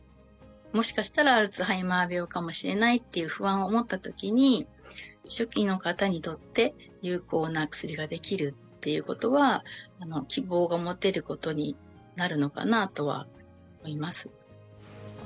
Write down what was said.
もしかしたらアルツハイマー病かもしれないという不安を持ったときに、初期の方にとって、有効な薬が出来るっていうことは、希望が持てることになるのかなとは思います。